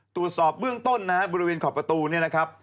ตรวจสอบเบื้องต้นนะฮะบริเวณขอบประตูเนี่ยนะครับ